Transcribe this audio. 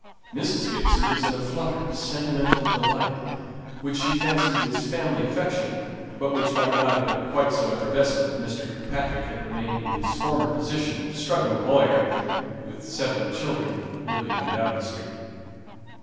Mrs. Gibson was in a flutter of sentimental delight, which she fancied was family affection, but which might not have been quite so effervescent if Mr. Kirkpatrick had remained in his former position of struggling lawyer, with seven children, living in Doughty Street.